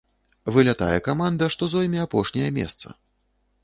Вылятае каманда, што зойме апошняе месца.